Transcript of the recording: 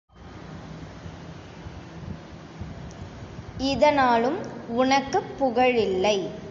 இதனாலும் உனக்குப் புகழில்லை.